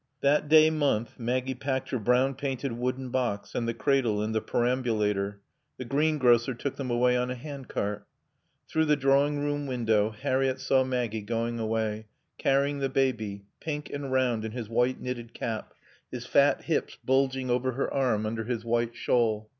That day month Maggie packed her brown painted wooden box and the cradle and the perambulator. The greengrocer took them away on a handcart. Through the drawing room window Harriett saw Maggie going away, carrying the baby, pink and round in his white knitted cap, his fat hips bulging over her arm under his white shawl.